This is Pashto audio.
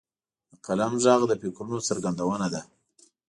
د قلم ږغ د فکرونو څرګندونه ده.